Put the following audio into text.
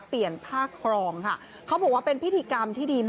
เปลี่ยนผ้าคลองค่ะเขาบอกว่าเป็นพิธีกรรมที่ดี